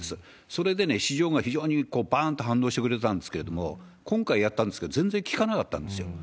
それで、市場が非常にばーんと反応してくれたんですけれども、今回やったんですけど、全然きかなかったんですよ。